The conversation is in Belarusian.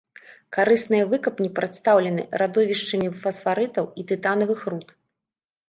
Карысныя выкапні прадстаўлены радовішчамі фасфарытаў і тытанавых руд.